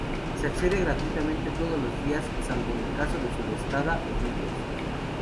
Se accede gratuitamente todos los días, salvo en caso de sudestada o lluvias.